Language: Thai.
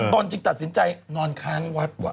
ตนจึงตัดสินใจนอนค้างวัด